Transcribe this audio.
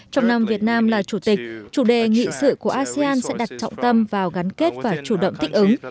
trong năm việt nam là chủ tịch chủ đề nghị sự của asean sẽ đặt trọng tâm vào gắn kết và chủ động thích ứng